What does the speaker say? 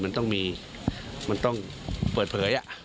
มันต้องมีมันต้องเปิดเผย